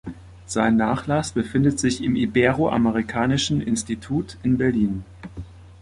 Sein Nachlass befindet sich im Ibero-Amerikanischen Institut in Berlin.